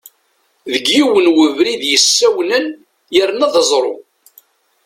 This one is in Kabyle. Deg yiwen webrid yessawnen yerna d aẓru.